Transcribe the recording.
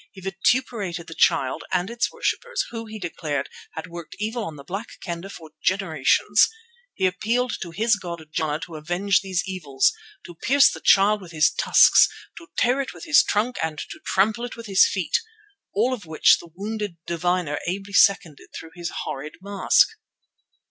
He vituperated the Child and its worshippers, who, he declared, had worked evil on the Black Kendah for generations. He appealed to his god Jana to avenge these evils, "to pierce the Child with his tusks, to tear it with his trunk, and to trample it with his feet," all of which the wounded diviner ably seconded through his horrid mask.